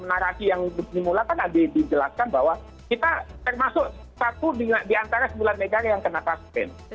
narasi yang dimulai kan ada dijelaskan bahwa kita termasuk satu di antara sembilan negara yang kena vaksin